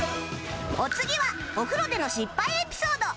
お次はお風呂での失敗エピソード